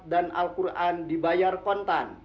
dan al quran dibayar kontan